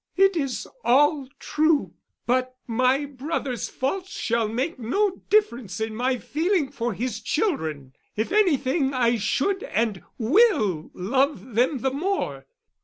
"It is all true. But my brother's faults shall make no difference in my feeling for his children. If anything I should and will love them the more.